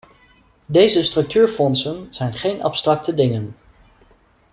Deze structuurfondsen zijn geen abstracte dingen.